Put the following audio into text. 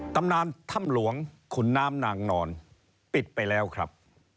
ตำนานถ้ำหลวงขุนน้ำนางนอนปิดไปแล้วครับ